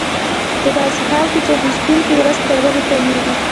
په داسې حال کې چې اخیستونکي ورځ تر بلې کمېږي